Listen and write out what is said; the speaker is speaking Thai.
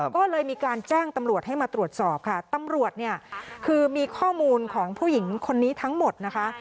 ก็เลยมีการแจ้งตำรวจให้มาตรวจสอบค่ะตำรวจเนี่ยคือมีข้อมูลของผู้หญิงคนนี้ทั้งหมดนะคะ